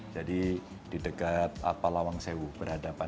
jadi di dekat lawang sewu berhadapan